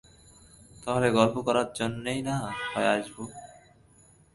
তাহলে গল্প করার জন্যেই না-হয় আসব।